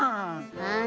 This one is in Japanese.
うん。